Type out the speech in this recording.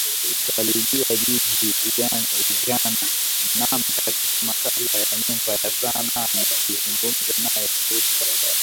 Utalijua jiji Ungana nami katika Makala ya Nyumba ya Sanaa nikizungumza naye kuhusu safari